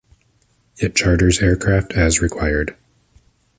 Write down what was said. It charters aircraft as required.